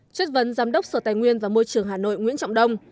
chuyên vấn giám đốc sở tài nguyên và môi trường hà nội nguyễn trọng đông